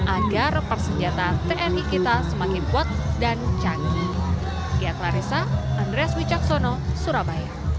agar persenjataan tni kita semakin kuat dan canggih